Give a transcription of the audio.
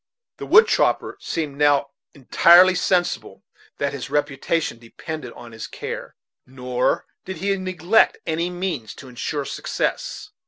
The wood chopper seemed now entirely sensible that his reputation depended on his care; nor did he neglect any means to insure success.